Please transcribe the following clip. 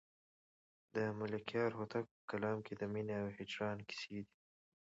د ملکیار هوتک په کلام کې د مینې او هجران کیسې دي.